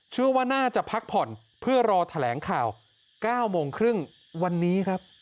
เชื่อว่าน่าจะพักผ่อนเพื่อรอแถลงข่าว๙โมงครึ่งวันนี้ครับ